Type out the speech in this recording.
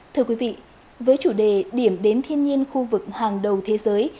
thưa quý vị với chủ đề điểm đến thiên nhiên khu vực hàng đầu thế giới